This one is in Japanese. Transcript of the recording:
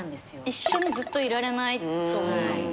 一緒にずっといられないと思うかも。